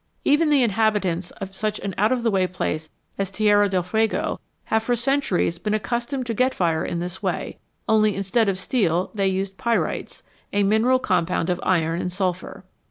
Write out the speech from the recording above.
Even the inhabitants of such an out of the way place as Tierra del Fuego have for centuries been accustomed to get fire in this way, only instead of steel they used pyrites a mineral compound of iron and sulphur.